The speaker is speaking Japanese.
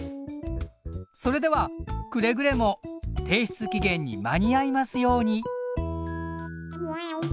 それではくれぐれも提出期限に間に合いますように。